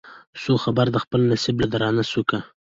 سو خبر د خپل نصیب له درانه سوکه